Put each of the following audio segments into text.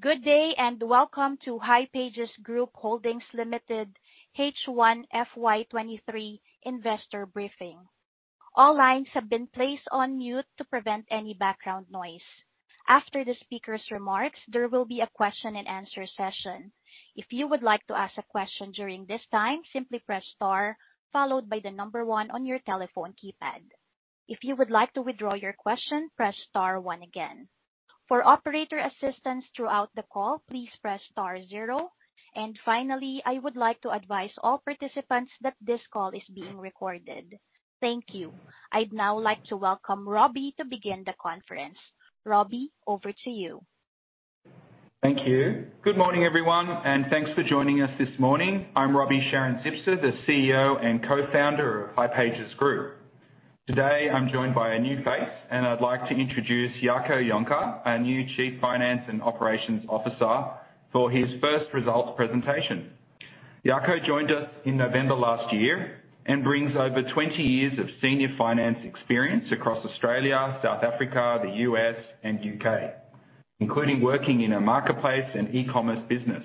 Good day, and welcome to hipages Group Holdings Limited H1 FY 2023 investor briefing. All lines have been placed on mute to prevent any background noise. After the speaker's remarks, there will be a question and answer session. If you would like to ask a question during this time, simply press star followed by the number one on your telephone keypad. If you would like to withdraw your question, press star one again. For operator assistance throughout the call, please press star zero. Finally, I would like to advise all participants that this call is being recorded. Thank you. I'd now like to welcome Roby to begin the conference. Roby, over to you. Thank you. Good morning, everyone, and thanks for joining us this morning. I'm Roby Sharon-Zipser, the CEO and Co-Founder of hipages Group. Today, I'm joined by a new face, and I'd like to introduce Jaco Jonker, our new Chief Finance and Operations Officer, for his first results presentation. Jaco joined us in November last year and brings over 20 years of senior finance experience across Australia, South Africa, the U.S. and U.K., including working in a marketplace and e-commerce business.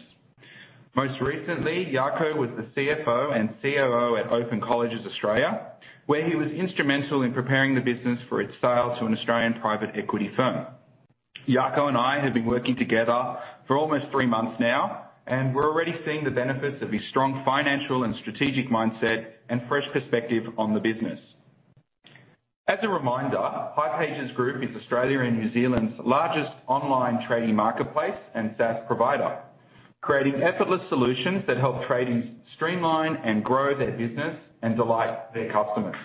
Most recently, Jaco was the CFO and COO at Open Colleges Australia, where he was instrumental in preparing the business for its sale to an Australian private equity firm. Jaco and I have been working together for almost three months now, and we're already seeing the benefits of his strong financial and strategic mindset and fresh perspective on the business. As a reminder, hipages Group is Australia and New Zealand's largest online trading marketplace and SaaS provider, creating effortless solutions that help tradies streamline and grow their business and delight their customers.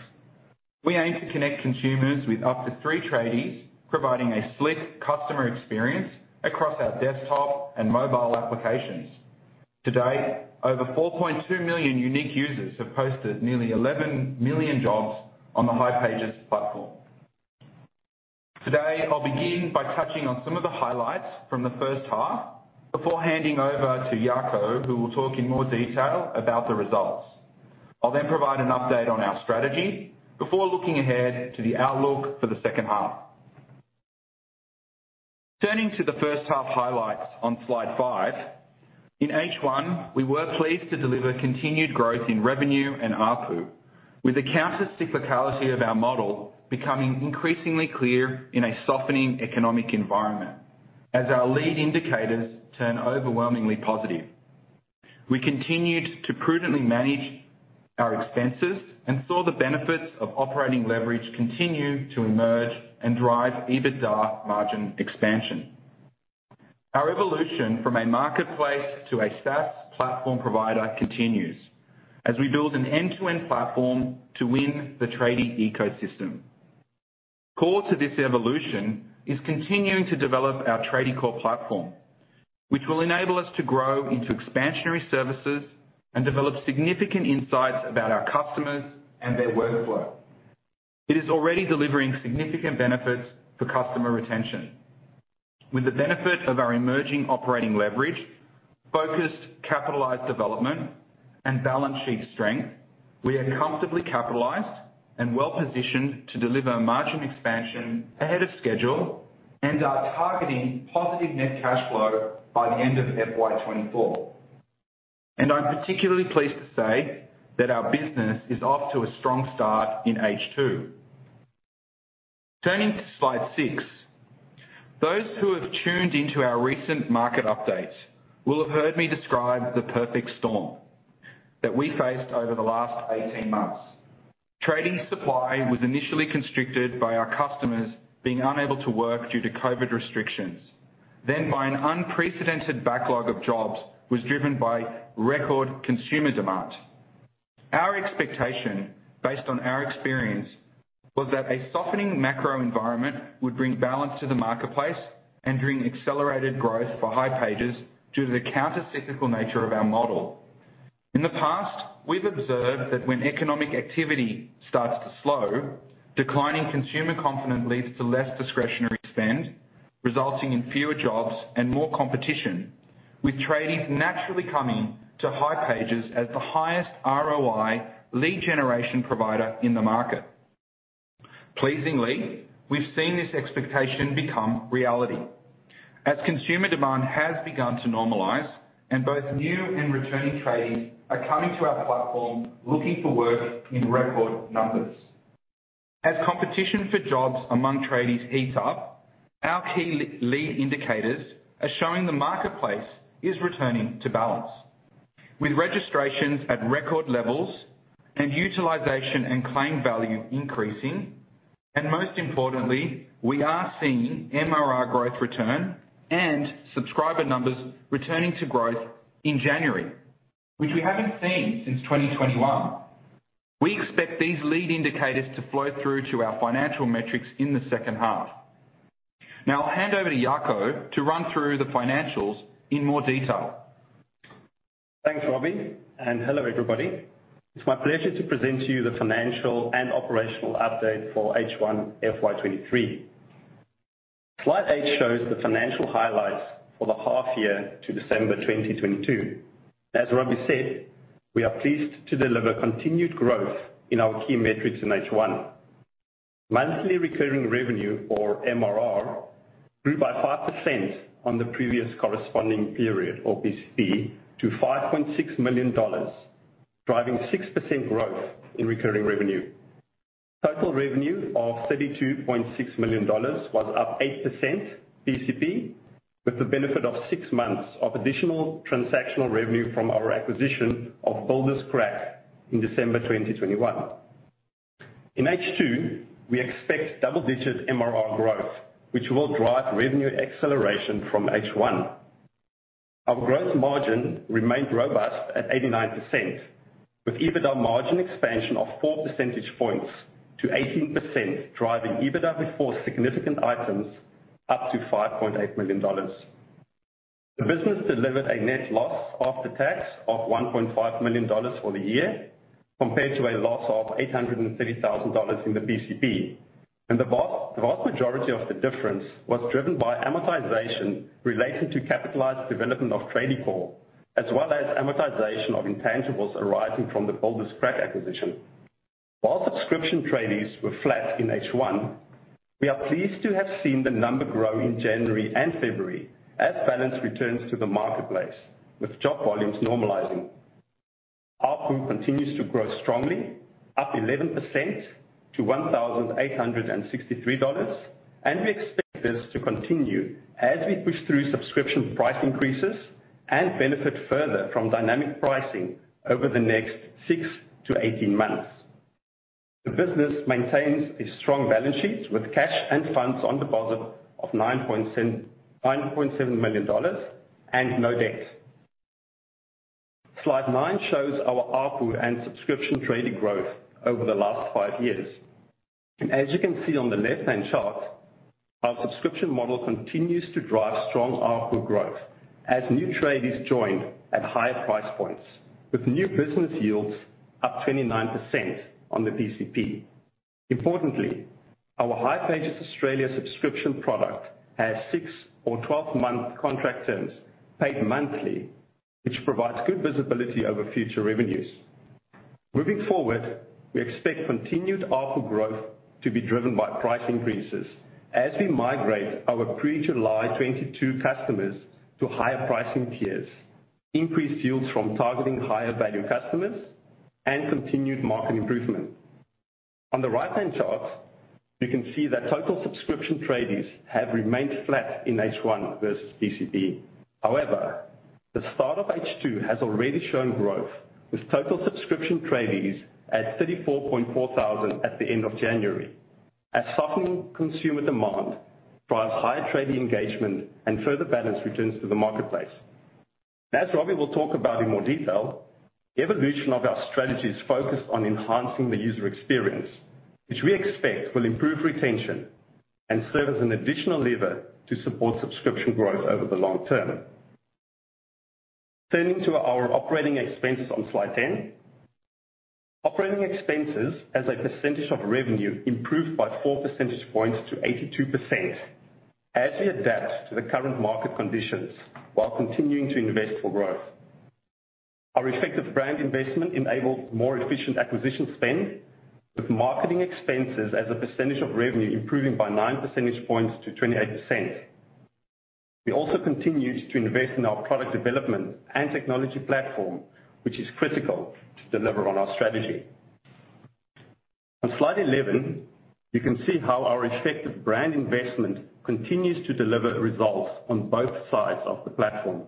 We aim to connect consumers with up to three tradies, providing a slick customer experience across our desktop and mobile applications. To date, over 4.2 million unique users have posted nearly 11 million jobs on the hipages platform. Today, I'll begin by touching on some of the highlights from the first half before handing over to Jaco, who will talk in more detail about the results. I'll provide an update on our strategy before looking ahead to the outlook for the second half. Turning to the first half highlights on slide. In H1, we were pleased to deliver continued growth in revenue and ARPU, with the counter cyclicality of our model becoming increasingly clear in a softening economic environment as our lead indicators turn overwhelmingly positive. We continued to prudently manage our expenses and saw the benefits of operating leverage continue to emerge and drive EBITDA margin expansion. Our evolution from a marketplace to a SaaS platform provider continues as we build an end-to-end platform to win the tradie ecosystem. Core to this evolution is continuing to develop our Tradiecore platform, which will enable us to grow into expansionary services and develop significant insights about our customers and their workflow. It is already delivering significant benefits for customer retention. With the benefit of our emerging operating leverage, focused capitalized development, and balance sheet strength, we are comfortably capitalized and well-positioned to deliver margin expansion ahead of schedule and are targeting positive net cash flow by the end of FY 2024. I'm particularly pleased to say that our business is off to a strong start in H2. Turning to slide six. Those who have tuned into our recent market updates will have heard me describe the perfect storm that we faced over the last 18 months. Tradie supply was initially constricted by our customers being unable to work due to COVID restrictions, then by an unprecedented backlog of jobs, was driven by record consumer demand. Our expectation, based on our experience, was that a softening macro environment would bring balance to the marketplace and bring accelerated growth for hipages due to the counter-cyclical nature of our model. In the past, we've observed that when economic activity starts to slow, declining consumer confidence leads to less discretionary spend, resulting in fewer jobs and more competition, with tradies naturally coming to hipages as the highest ROI lead generation provider in the market. Pleasingly, we've seen this expectation become reality as consumer demand has begun to normalize and both new and returning tradies are coming to our platform looking for work in record numbers. As competition for jobs among tradies heats up, our key lead indicators are showing the marketplace is returning to balance, with registrations at record levels and utilization and claim value increasing. Most importantly, we are seeing MRR growth return and subscriber numbers returning to growth in January, which we haven't seen since 2021. We expect these lead indicators to flow through to our financial metrics in the second half. Now I'll hand over to Jaco to run through the financials in more detail. Thanks, Roby, and hello, everybody. It's my pleasure to present to you the financial and operational update for H1 FY 2023. Slide eight shows the financial highlights For the half year to December 2022. As Roby said, we are pleased to deliver continued growth in our key metrics in H1. Monthly recurring revenue or MRR grew by 5% on the previous corresponding period or PCP to 5.6 million dollars, driving 6% growth in recurring revenue. Total revenue of 32.6 million dollars was up 8% PCP, with the benefit of six months of additional transactional revenue from our acquisition of Builderscrack in December 2021. In H2, we expect double-digit MRR growth, which will drive revenue acceleration from H1. Our growth margin remained robust at 89%, with EBITDA margin expansion of 4 percentage points to 18%, driving EBITDA before significant items up to 5.8 million dollars. The business delivered a net loss after tax of 1.5 million dollars for the year, compared to a loss of 830,000 dollars in the PCP. The vast majority of the difference was driven by amortization relating to capitalized development of Tradiecore, as well as amortization of intangibles arising from the Builderscrack acquisition. While subscription tradies were flat in H1, we are pleased to have seen the number grow in January and February as balance returns to the marketplace with job volumes normalizing. ARPU continues to grow strongly, up 11% to 1,863 dollars. We expect this to continue as we push through subscription price increases and benefit further from dynamic pricing over the next six to 18 months. The business maintains a strong balance sheet with cash and funds on deposit of 9.7 million dollars and no debt. Slide nine shows our ARPU and subscription tradie growth over the last five years. As you can see on the left-hand chart, our subscription model continues to drive strong ARPU growth as new tradies join at higher price points, with new business yields up 29% on the PCP. Importantly, our hipages Australia subscription product has six or 12 month contract terms paid monthly, which provides good visibility over future revenues. Moving forward, we expect continued ARPU growth to be driven by price increases as we migrate our pre-July 2022 customers to higher pricing tiers, increased yields from targeting higher value customers and continued market improvement. On the right-hand chart, you can see that total subscription tradies have remained flat in H1 versus PCP. However, the start of H2 has already shown growth, with total subscription tradies at 34,400 at the end of January, as softening consumer demand drives higher tradie engagement and further balance returns to the marketplace. As Roby will talk about in more detail, the evolution of our strategy is focused on enhancing the user experience, which we expect will improve retention and serve as an additional lever to support subscription growth over the long term. Turning to our operating expenses on slide 10. Operating expenses as a percentage of revenue improved by 4 percentage points to 82% as we adapt to the current market conditions while continuing to invest for growth. Our effective brand investment enabled more efficient acquisition spend, with marketing expenses as a percentage of revenue improving by 9 percentage points to 28%. We also continue to invest in our product development and technology platform, which is critical to deliver on our strategy. On slide 11, you can see how our effective brand investment continues to deliver results on both sides of the platform.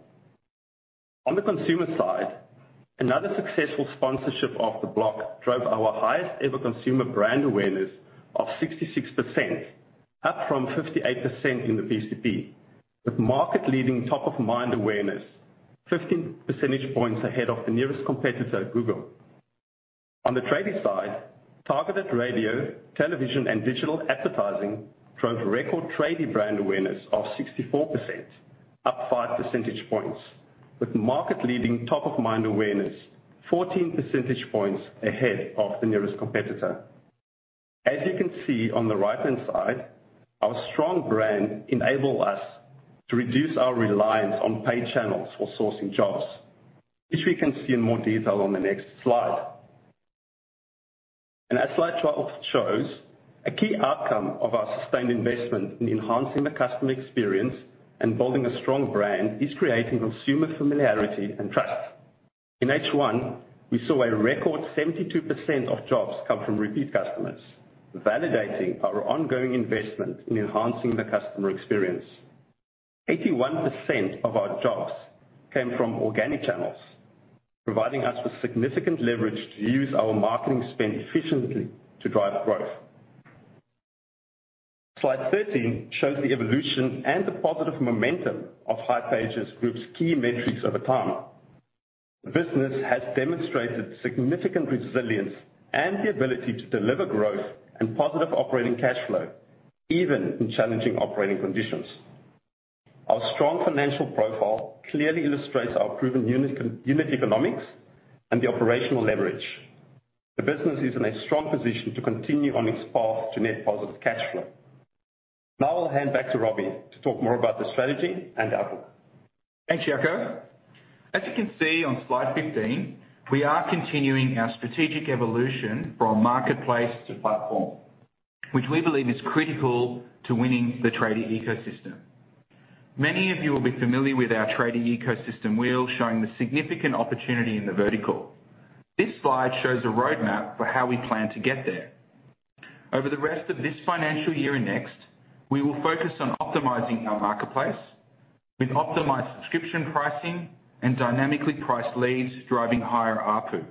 On the consumer side, another successful sponsorship of The Block drove our highest ever consumer brand awareness of 66%, up from 58% in the PCP, with market leading top of mind awareness 15 percentage points ahead of the nearest competitor, Google. On the tradie side, targeted radio, television and digital advertising drove record tradie brand awareness of 64%, up 5 percentage points, with market leading top of mind awareness 14 percentage points ahead of the nearest competitor. As you can see on the right-hand side, our strong brand enable us to reduce our reliance on paid channels for sourcing jobs, which we can see in more detail on the next slide. As slide 12 shows, a key outcome of our sustained investment in enhancing the customer experience and building a strong brand is creating consumer familiarity and trust. In H1, we saw a record 72% of jobs come from repeat customers, validating our ongoing investment in enhancing the customer experience. 81% of our jobs came from organic channels, providing us with significant leverage to use our marketing spend efficiently to drive growth. Slide 13 shows the evolution and the positive momentum of hipages Group's key metrics over time. The business has demonstrated significant resilience and the ability to deliver growth and positive operating cash flow even in challenging operating conditions. Our strong financial profile clearly illustrates our proven unit economics and the operational leverage. The business is in a strong position to continue on its path to net positive cash flow. I'll hand back to Roby to talk more about the strategy and outlook. Thanks, Jaco. As you can see on slide 15, we are continuing our strategic evolution from marketplace to platform, which we believe is critical to winning the tradie ecosystem. Many of you will be familiar with our tradie ecosystem wheel showing the significant opportunity in the vertical. This slide shows a roadmap for how we plan to get there. Over the rest of this financial year and next, we will focus on optimizing our marketplace with optimized subscription pricing and dynamically priced leads driving higher ARPU.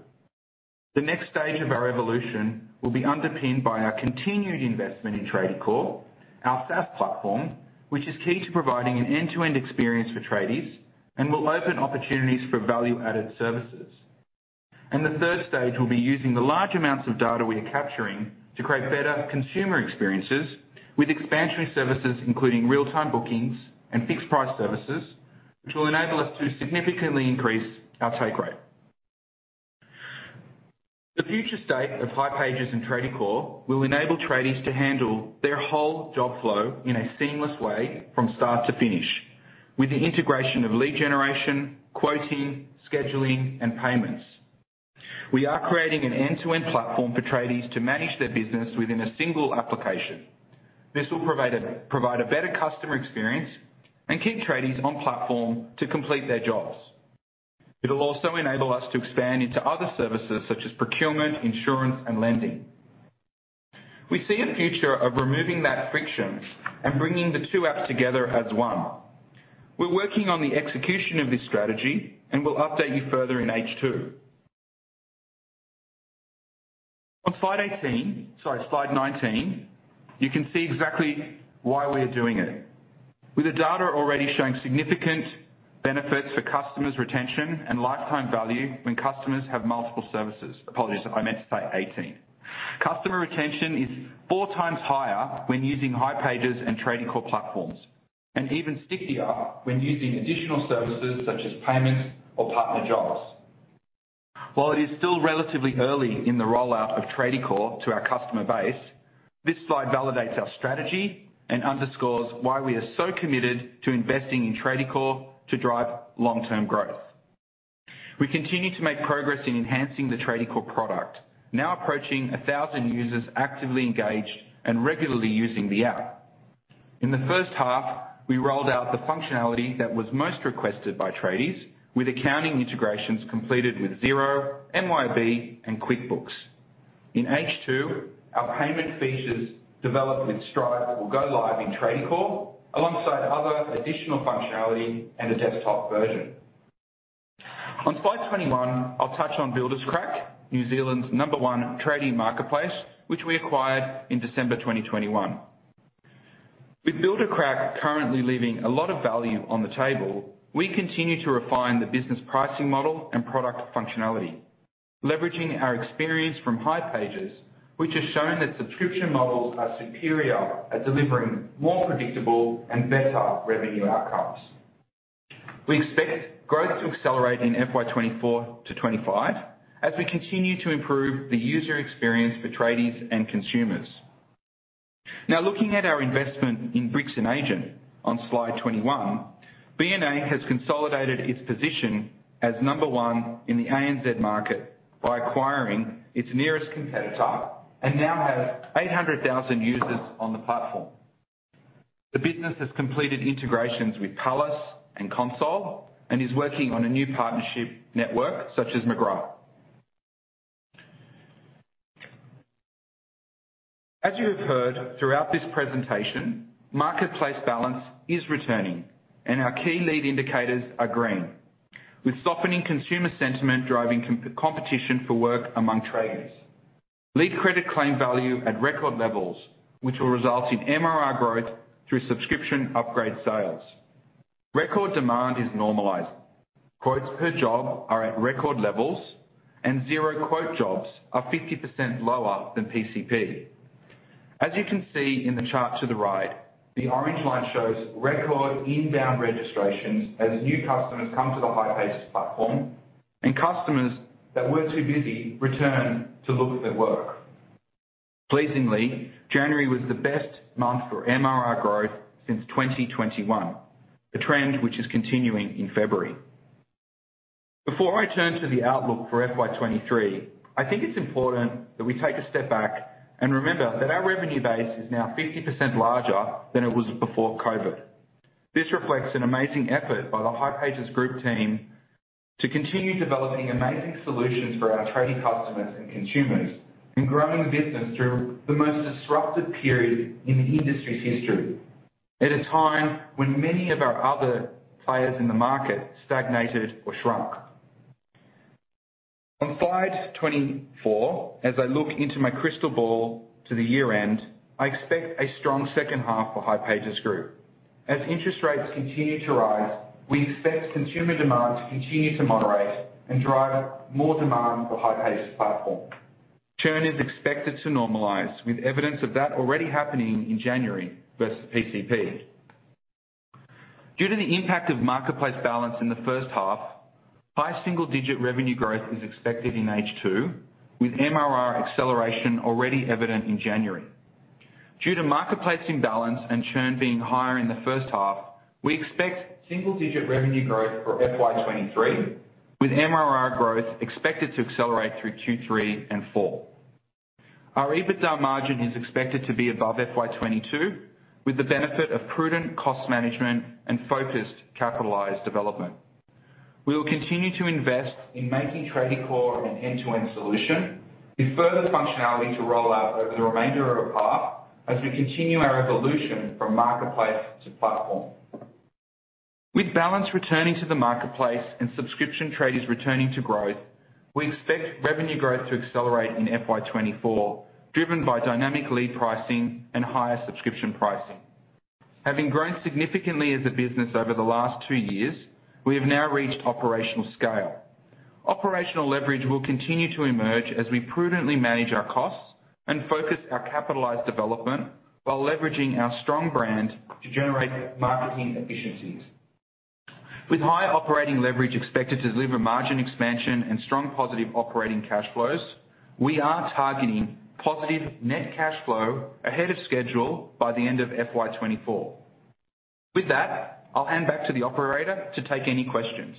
The next stage of our evolution will be underpinned by our continued investment in Tradiecore, our SaaS platform, which is key to providing an end-to-end experience for tradies and will open opportunities for value-added services. The third stage will be using the large amounts of data we are capturing to create better consumer experiences with expansion services, including real-time bookings and fixed price services, which will enable us to significantly increase our take rate. The future state of hipages and Tradiecore will enable tradies to handle their whole job flow in a seamless way from start to finish with the integration of lead generation, quoting, scheduling, and payments. We are creating an end-to-end platform for tradies to manage their business within a single application. This will provide a better customer experience and keep tradies on platform to complete their jobs. It'll also enable us to expand into other services such as procurement, insurance, and lending. We see a future of removing that friction and bringing the two apps together as one. We're working on the execution of this strategy, and we'll update you further in H2. On slide 18, sorry, slide 19, you can see exactly why we are doing it. With the data already showing significant benefits for customers' retention and lifetime value when customers have multiple services. Apologies, I meant to say 18. Customer retention is four times higher when using hipages and Tradiecore platforms and even stickier when using additional services such as payments or partner jobs. While it is still relatively early in the rollout of Tradiecore to our customer base, this slide validates our strategy and underscores why we are so committed to investing in Tradiecore to drive long-term growth. We continue to make progress in enhancing the Tradiecore product, now approaching 1,000 users actively engaged and regularly using the app. In the first half, we rolled out the functionality that was most requested by tradies with accounting integrations completed with Xero, MYOB, and QuickBooks. In H2, our payment features developed with Stripe will go live in Tradiecore alongside other additional functionality and a desktop version. On slide 21, I'll touch on Builderscrack, New Zealand's number one trading marketplace, which we acquired in December 2021. With Builderscrack currently leaving a lot of value on the table, we continue to refine the business pricing model and product functionality, leveraging our experience from hipages, which has shown that subscription models are superior at delivering more predictable and better revenue outcomes. We expect growth to accelerate in FY 2024-2025 as we continue to improve the user experience for tradies and consumers. Looking at our investment in Bricks & Agent on slide 21, B&A has consolidated its position as number one in the ANZ market by acquiring its nearest competitor and now has 800,000 users on the platform. The business has completed integrations with Palace and Console and is working on a new partnership network such as McGrath. As you have heard throughout this presentation, marketplace balance is returning, and our key lead indicators are green. With softening consumer sentiment driving competition for work among tradies. Lead credit claim value at record levels, which will result in MRR growth through subscription upgrade sales. Record demand is normalizing. Quotes per job are at record levels and zero quote jobs are 50% lower than PCP. As you can see in the chart to the right, the orange line shows record inbound registrations as new customers come to the hipages platform and customers that were too busy return to look at their work. Pleasingly, January was the best month for MRR growth since 2021, a trend which is continuing in February. Before I turn to the outlook for FY 2023, I think it's important that we take a step back and remember that our revenue base is now 50% larger than it was before COVID. This reflects an amazing effort by the hipages Group team to continue developing amazing solutions for our tradie customers and consumers and growing the business through the most disruptive period in the industry's history, at a time when many of our other players in the market stagnated or shrunk. On slide 24, as I look into my crystal ball to the year-end, I expect a strong second half for hipages Group. As interest rates continue to rise, we expect consumer demand to continue to moderate and drive more demand for hipages platform. Churn is expected to normalize, with evidence of that already happening in January versus PCP. Due to the impact of marketplace balance in the first half, high single-digit revenue growth is expected in H2, with MRR acceleration already evident in January. Due to marketplace imbalance and churn being higher in the first half, we expect single-digit revenue growth for FY 2023, with MRR growth expected to accelerate through Q3 and Q4. Our EBITDA margin is expected to be above FY 2022, with the benefit of prudent cost management and focused capitalized development. We will continue to invest in making Tradiecore an end-to-end solution with further functionality to roll out over the remainder of the path as we continue our evolution from marketplace to platform. With balance returning to the marketplace and subscription tradies returning to growth, we expect revenue growth to accelerate in FY 2024, driven by dynamic lead pricing and higher subscription pricing. Having grown significantly as a business over the last two years, we have now reached operational scale. Operational leverage will continue to emerge as we prudently manage our costs and focus our capitalized development while leveraging our strong brand to generate marketing efficiencies. With higher operating leverage expected to deliver margin expansion and strong positive operating cash flows, we are targeting positive net cash flow ahead of schedule by the end of FY 2024. With that, I'll hand back to the operator to take any questions.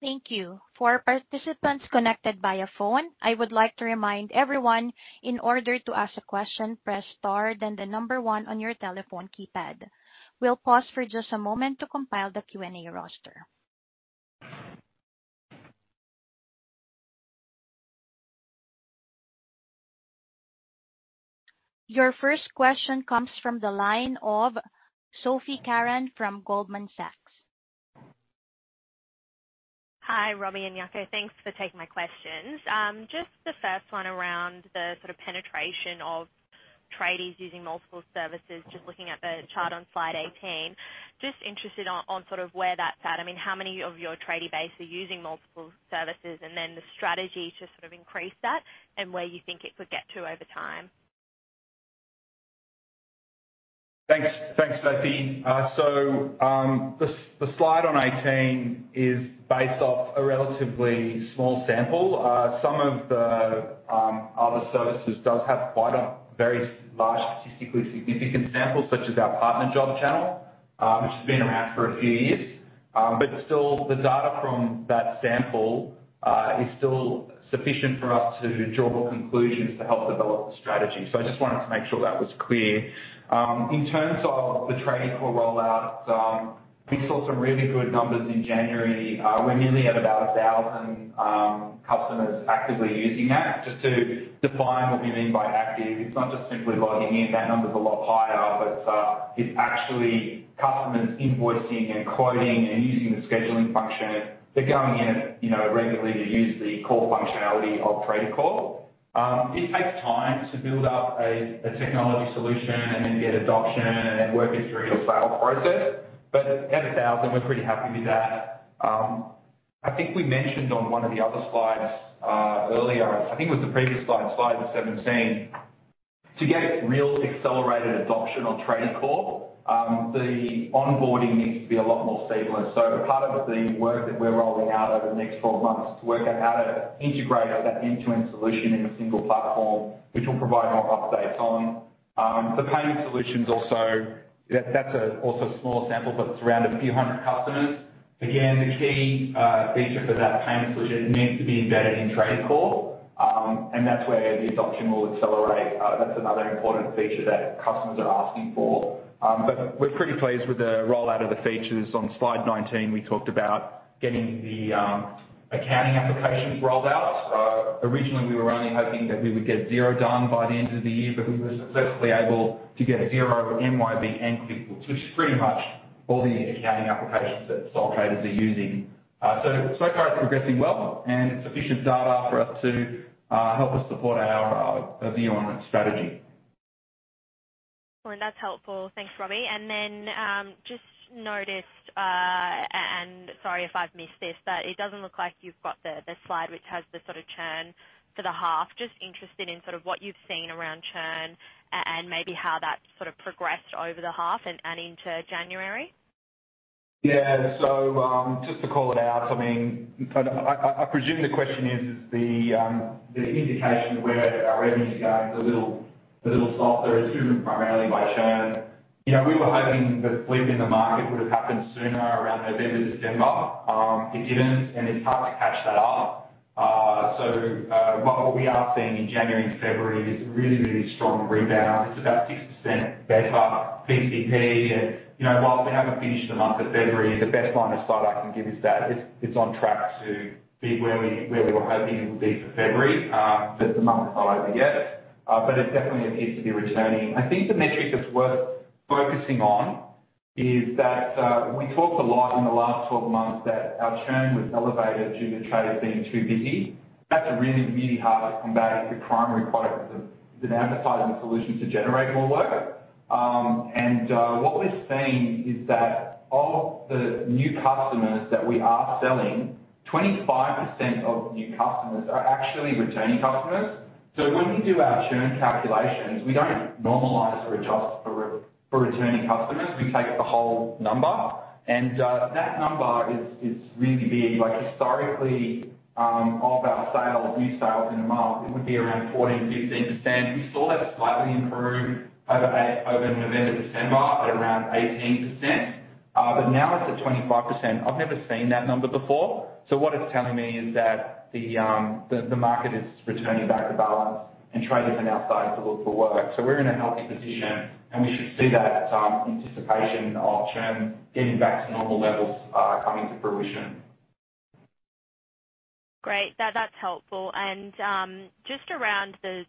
Thank you. For participants connected via phone, I would like to remind everyone, in order to ask a question, press star, then the number one on your telephone keypad. We'll pause for just a moment to compile the Q&A roster. Your first question comes from the line of Sophie Curren from Goldman Sachs. Hi, Roby and Jaco. Thanks for taking my questions. just the first one around the sort of penetration of tradies using multiple services. Just looking at the chart on slide 18, just interested on sort of where that's at. I mean, how many of your tradie base are using multiple services? Then the strategy to sort of increase that and where you think it could get to over time. Thanks. Thanks, Sophie. The slide on 18 is based off a relatively small sample. Some of the other services does have quite a very large statistically significant sample, such as our partner job channel, which has been around for a few years. Still, the data from that sample is still sufficient for us to draw conclusions to help develop the strategy. I just wanted to make sure that was clear. In terms of the Tradiecore rollout, we saw some really good numbers in January. We're nearly at about 1,000 customers actively using that. Just to define what we mean by active. It's not just simply logging in. That number's a lot higher, but it's actually customers invoicing and quoting and using the scheduling function. They're going in, you know, regularly to use the core functionality of Tradiecore. It takes time to build up a technology solution and then get adoption and work it through your sales process. At 1,000, we're pretty happy with that. I think we mentioned on one of the other slides earlier, I think it was the previous slide 17. To get real accelerated adoption on Tradiecore, the onboarding needs to be a lot more seamless. Part of the work that we're rolling out over the next 12 months is to work out how to integrate that end-to-end solution in a single platform, which will provide more up-to-date time. The payment solutions also, that's also a small sample, but it's around a few hundred customers. The key feature for that payment solution needs to be embedded in Tradiecore, and that's where the adoption will accelerate. That's another important feature that customers are asking for. We're pretty pleased with the rollout of the features. On slide 19, we talked about getting the accounting applications rolled out. Originally, we were only hoping that we would get Xero done by the end of the year, but we were successfully able to get Xero, MYOB, and QuickBooks, which is pretty much all the accounting applications that sole traders are using. So far it's progressing well and sufficient data for us to help us support our view on that strategy. That's helpful. Thanks, Roby. Just noticed, and sorry if I've missed this, but it doesn't look like you've got the slide which has the sort of churn for the half. Just interested in sort of what you've seen around churn and maybe how that's sort of progressed over the half and into January. Just to call it out, I mean, I presume the question is the indication of where our revenue is going is a little softer, driven primarily by churn. You know, we were hoping the flip in the market would have happened sooner around November, December. It didn't, and it's hard to catch that up. So, what we are seeing in January and February is a really strong rebound. It's about 6% better PCP. You know, while we haven't finished the month of February, the best line of sight I can give is that it's on track to be where we, where we were hoping it would be for February. The month is not over yet, but it definitely appears to be returning. I think the metric that's worth focusing on is that we talked a lot in the last 12 months that our churn was elevated due to tradies being too busy. That's a really hard combat if your primary product is an advertising solution to generate more work. What we're seeing is that of the new customers that we are selling, 25% of new customers are actually returning customers. When we do our churn calculations, we don't normalize or adjust for returning customers, we take the whole number. That number is really big. Like, historically, of our sales, new sales in a month, it would be around 14%-15%. We saw that slightly improve over November, December at around 18%. Now it's at 25%. I've never seen that number before. What it's telling me is that the market is returning back to balance and tradies are now starting to look for work. We're in a healthy position, and we should see that anticipation of churn getting back to normal levels coming to fruition. Great. That's helpful. Just around the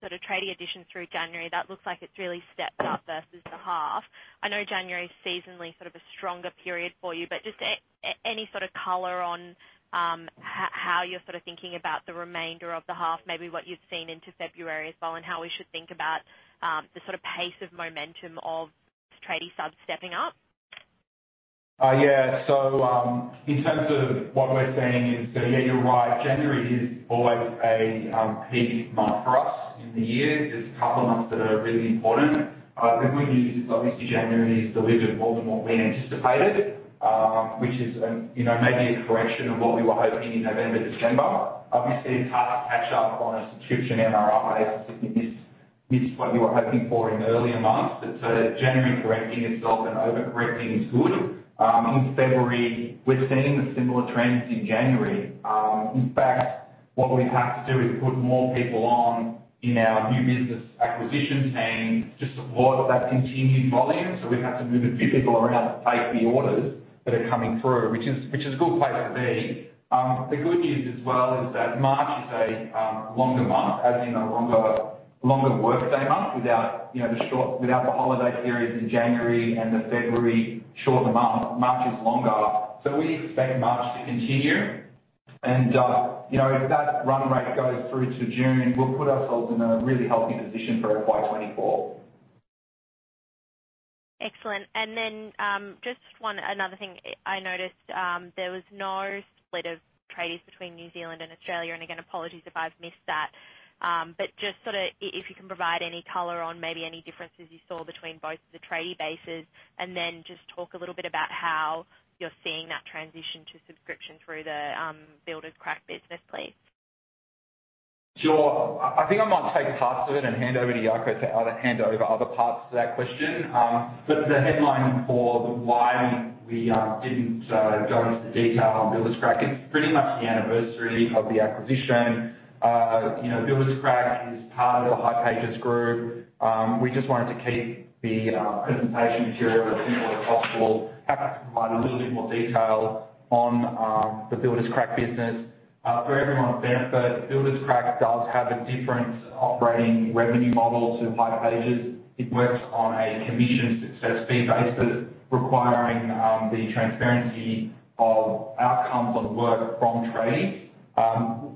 sort of tradie addition through January, that looks like it's really stepped up versus the half. I know January's seasonally sort of a stronger period for you, but just any sort of color on how you're sort of thinking about the remainder of the half, maybe what you've seen into February as well, and how we should think about the sort of pace of momentum of tradie subs stepping up. Yeah, you're right, January is always a peak month for us in the year. There's a couple of months that are really important. The good news is obviously January has delivered more than what we anticipated, which is, you know, maybe a correction of what we were hoping in November, December. Obviously, it's hard to catch up on a subscription MRR base if you miss what you were hoping for in earlier months. January correcting itself and overcorrecting is good. In February, we're seeing the similar trends in January. In fact, what we've had to do is put more people on in our new business acquisition team to support that continued volume. We've had to move a few people around to take the orders that are coming through, which is a good place to be. The good news as well is that March is a longer month, as in a longer workday month without, you know, without the holiday periods in January and the February shorter month, March is longer. We expect March to continue. You know, if that run rate goes through to June, we'll put ourselves in a really healthy position for FY 2024. Excellent. Then, just one another thing I noticed, there was no split of tradies between New Zealand and Australia and again, apologies if I've missed that. But just sorta if you can provide any color on maybe any differences you saw between both the tradie bases, and then just talk a little bit about how you're seeing that transition to subscription through the Builderscrack business, please. Sure. I think I might take parts of it and hand over to Jaco hand over other parts to that question. The headline for why we didn't go into detail on Builderscrack, it's pretty much the anniversary of the acquisition. You know, Builderscrack is part of the hipages Group. We just wanted to keep the presentation material as simple as possible. Happy to provide a little bit more detail on the Builderscrack business. For everyone's benefit, Builderscrack does have a different operating revenue model to hipages. It works on a commission success fee basis requiring the transparency of outcomes of work from tradies.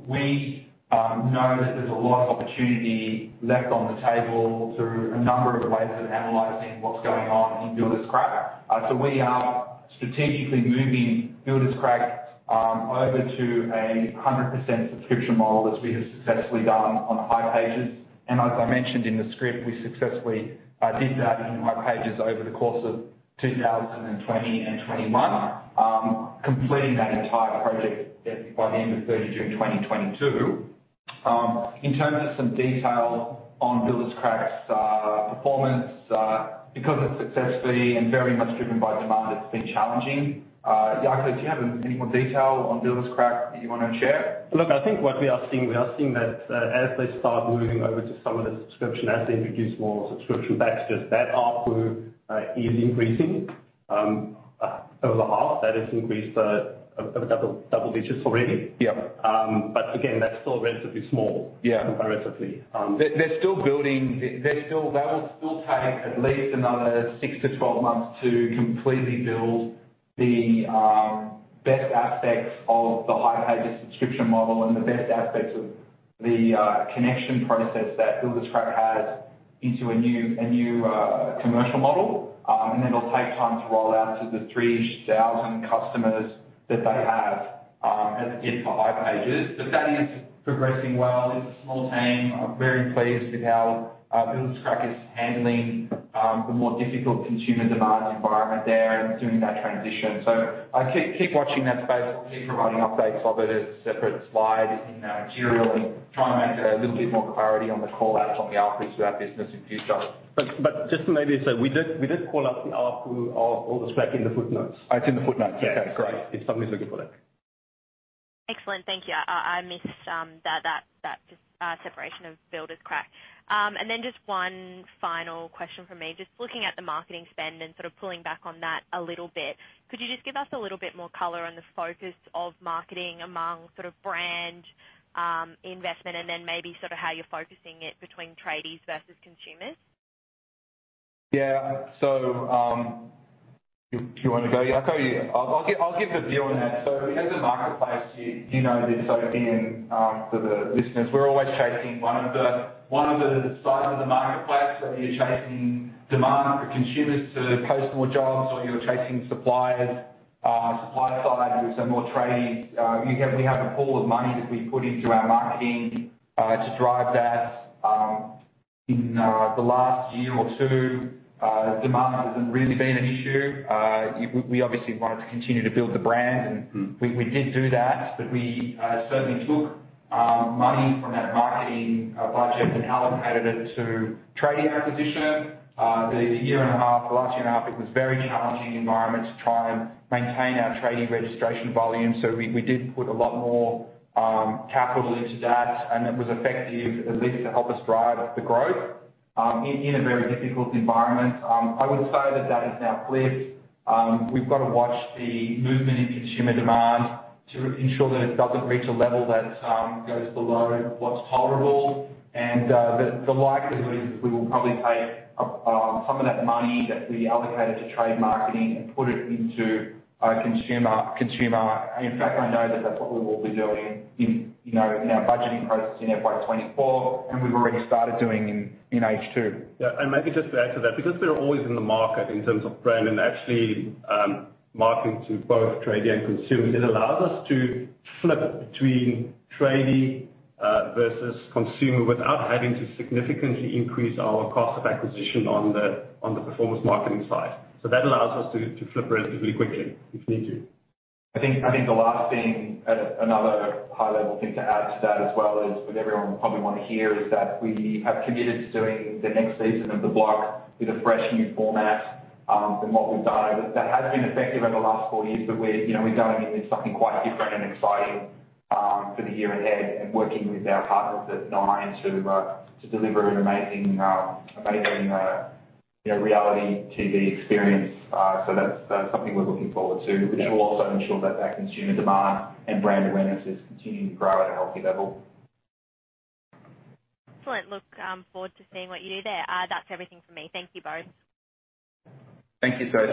We know that there's a lot of opportunity left on the table through a number of ways of analyzing what's going on in Builderscrack. We are strategically moving Builderscrack over to a 100% subscription model as we have successfully done on hipages. As I mentioned in the script, we successfully did that in hipages over the course of 2020 and 2021, completing that entire project by the end of 30 June 2022. In terms of some detail on Builderscrack's performance, because it's success fee and very much driven by demand, it's been challenging. Jaco, do you have any more detail on Builderscrack that you wanna share? I think what we are seeing, we are seeing that, as they start moving over to some of the subscription, as they introduce more subscription backs, just that ARPU is increasing over the half. That has increased over double digits already. Yeah. Again, that's still relatively small. Yeah. Comparatively. They're still building. That will still take at least another 6 to 12 months to completely build the best aspects of the hipages subscription model and the best aspects of the connection process that Builderscrack has into a new commercial model. Then it'll take time to roll out to the 3,000-ish customers that they have as against to hipages. That is progressing well. It's a small team. I'm very pleased with how Builderscrack is handling the more difficult consumer demand environment there and doing that transition. I keep watching that space. We'll keep providing updates of it as a separate slide in our material and try and add a little bit more clarity on the call outs on the outputs for our business in future. Just to maybe say, we did call out the ARPU of Builderscrack in the footnotes. It's in the footnotes. Yeah. Okay, great. If somebody's looking for that. Excellent. Thank you. I missed that just separation of Builderscrack. And then just one final question from me. Just looking at the marketing spend and sort of pulling back on that a little bit, could you just give us a little bit more color on the focus of marketing among sort of brand investment and then maybe sort of how you're focusing it between tradies versus consumers? Yeah. You want to go? I'll go, yeah. I'll give the view on that. As a marketplace, you know this, Sophie, and for the listeners. We're always chasing one of the sides of the marketplace, whether you're chasing demand for consumers to post more jobs or you're chasing suppliers, supply side with some more tradies. We have a pool of money that we put into our marketing to drive that. In the last year or two, demand hasn't really been an issue. We obviously wanted to continue to build the brand, and we did do that. We certainly took money from that marketing budget and allocated it to tradie acquisition. The year and a half, the last year and a half, it was very challenging environment to try and maintain our tradie registration volumes. We, we did put a lot more capital into that, and it was effective at least to help us drive the growth in a very difficult environment. I would say that that has now flipped. We've gotta watch the movement in consumer demand to ensure that it doesn't reach a level that goes below what's tolerable. The likelihood is we will probably take some of that money that we allocated to trade marketing and put it into consumer. In fact, I know that that's what we will be doing in, you know, in our budgeting process in FY 2024, and we've already started doing in H2. Yeah. Maybe just to add to that. Because we're always in the market in terms of brand and actually marketing to both tradie and consumers, it allows us to flip between tradie versus consumer without having to significantly increase our cost of acquisition on the performance marketing side. That allows us to flip relatively quickly if we need to. I think the last thing, another high-level thing to add to that as well is, which everyone will probably wanna hear, is that we have committed to doing the next season of The Block with a fresh new format than what we've done. That has been effective over the last four years, but we're, you know, we're going into something quite different and exciting for the year ahead and working with our partners at Nine to deliver an amazing, you know, reality TV experience. That's something we're looking forward to, which will also ensure that our consumer demand and brand awareness is continuing to grow at a healthy level. Excellent. Look, I look forward to seeing what you do there. That's everything for me. Thank you both. Thank you, Sophie.